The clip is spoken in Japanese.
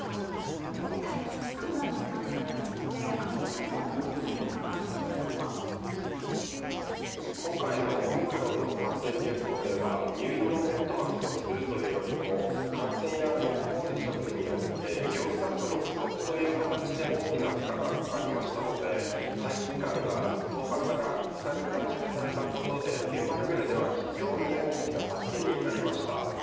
待機期間などの短縮によってアメリカでは、どのような変化が今回のオミクロンの感染流行では入院のベッドが不足するというよりも感染や濃厚接触によって医療スタッフの不足という形で大きな負荷がかかりましたので待機期間が１０日から５日に短縮されたことで現場レベルでは非常に大きな助けになりました。